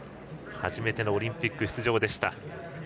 初めてのオリンピック出場でした。